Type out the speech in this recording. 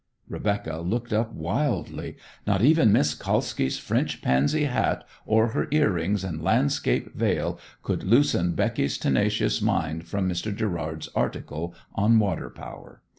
Rebecca looked up wildly. Not even Miss Kalski's French pansy hat or her ear rings and landscape veil could loosen Becky's tenacious mind from Mr. Gerrard's article on water power.